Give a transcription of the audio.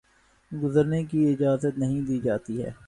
گرنے کی اجازت نہیں دی جاتی ہے